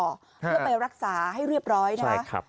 เพื่อไปรักษาให้เรียบร้อยนะครับ